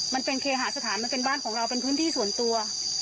มันเป็นเคหาสถานมันเป็นบ้านของเราเป็นพื้นที่ส่วนตัว